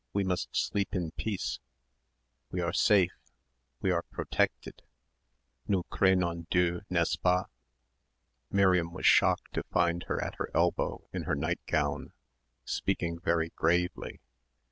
we must sleep in peace ... we are safe ... we are protected ... nous craignons Dieu, n'est ce pas?" Miriam was shocked to find her at her elbow, in her nightgown, speaking very gravely.